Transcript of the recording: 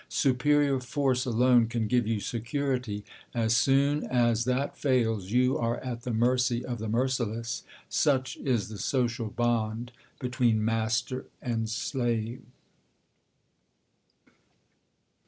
Superior force alone can give you security. As soon as that fails, you are at the mercy of the merciless. Such is the social bond between master and slave